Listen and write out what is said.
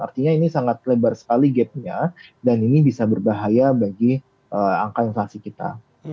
artinya ini sangat lebar sekali gapnya dan ini bisa berbahaya bagi angka inflasi kita